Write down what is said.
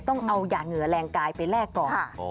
ต้องเอายาเหงื่อแรงกายไปแลกก่อน